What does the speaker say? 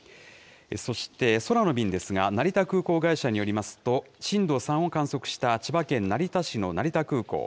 そして、空の便ですが、成田空港会社によりますと、震度３を観測した千葉県成田市の成田空港。